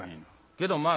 けどまあ